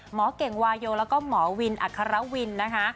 หมอเก่งวาโยและมอวิลอัครวิลนะคะ